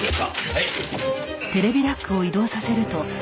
はい。